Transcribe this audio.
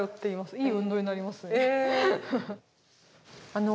いい運動になりますね。